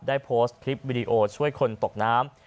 ได้โพสต์คลิปวิดีโอช่วยคนตกน้ำ